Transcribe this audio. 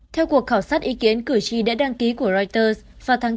theo cuộc khảo sát ý kiến cử tri đã đăng ký của reuters vào tháng bốn